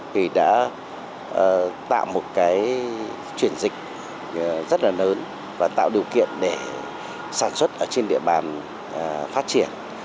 thì đã tạo một cái chuyển dịch rất là lớn và tạo điều kiện để sản xuất ở trên địa bàn phát triển